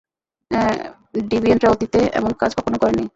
ডিভিয়েন্টরা অতীতে এমন কাজ কখনও করেনি।